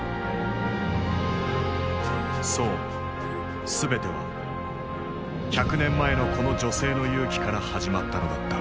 そう全ては百年前のこの女性の勇気から始まったのだった。